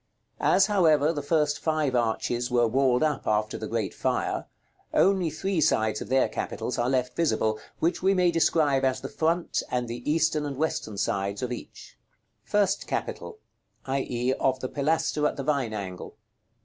As, however, the first five arches were walled up after the great fire, only three sides of their capitals are left visible, which we may describe as the front and the eastern and western sides of each. § LXVII. FIRST CAPITAL: i.e. of the pilaster at the Vine angle.